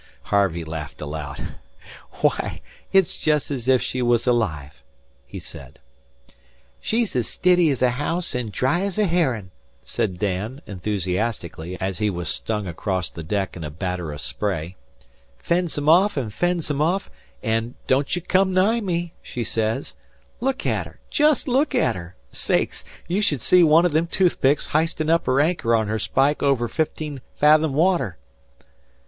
Harvey laughed aloud. "Why, it's just as if she was alive," he said. "She's as stiddy as a haouse an' as dry as a herrin'," said Dan enthusiastically, as he was slung across the deck in a batter of spray. "Fends 'em off an' fends 'em off, an' 'Don't ye come anigh me,' she sez. Look at her jest look at her! Sakes! You should see one o' them toothpicks histin' up her anchor on her spike outer fifteen fathom water."